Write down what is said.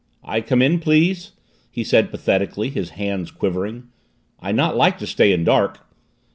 "I come in, please?" he said pathetically, his hands quivering. "I not like to stay in dark."